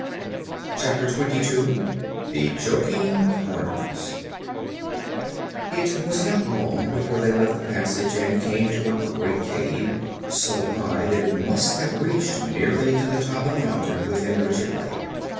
Chapter Twenty Two The Joking Horners It was not long before they left the passage and came to a great cave, so high that it must have reached nearly to the top of the mountain within which it lay.